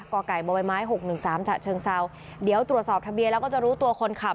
กไก่บใบไม้๖๑๓ฉะเชิงเซาเดี๋ยวตรวจสอบทะเบียนแล้วก็จะรู้ตัวคนขับ